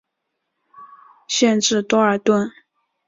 县治多尔顿。